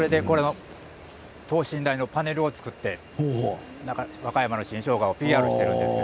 等身大のパネルを作って和歌山の新しょうがをＰＲしています。